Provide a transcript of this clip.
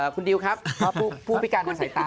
คุณดิวครับเผื่อผู้พิการให้ใส่ตา